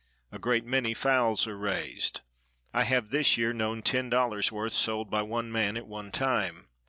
A great many fowls are raised; I have this year known ten dollars worth sold by one man at one time.